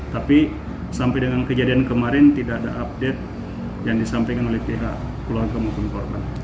tapi sampai dengan kejadian kemarin tidak ada update yang disampaikan oleh pihak keluarga maupun korban